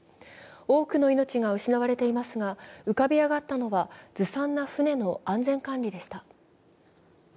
多くの命が失われていますが、浮かび上がったのはずさんな船の安全管理でした。